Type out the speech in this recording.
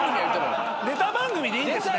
ネタ番組でいいんですね？